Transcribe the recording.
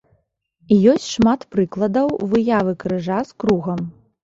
Ёсць шмат прыкладаў выявы крыжа з кругам.